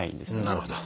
なるほど。